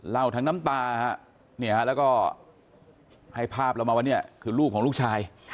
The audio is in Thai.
ทั้งน้ำตาแล้วก็ให้ภาพเรามาว่าเนี่ยคือลูกของลูกชาย